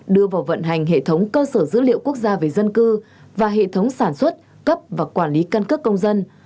đưa vào vận hành hệ thống cơ sở dữ liệu quốc gia về dân cư và hệ thống sản xuất cấp và quản lý căn cước công dân